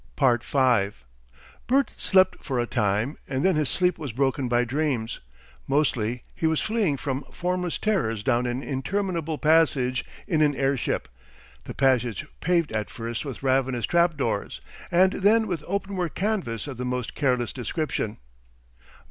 5 Bert slept for a time, and then his sleep was broken by dreams. Mostly he was fleeing from formless terrors down an interminable passage in an airship a passage paved at first with ravenous trap doors, and then with openwork canvas of the most careless description.